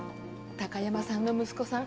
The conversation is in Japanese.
・貴山さんの息子さん